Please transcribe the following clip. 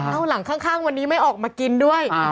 เอาหลังข้างวันนี้ไม่ออกมากินด้วย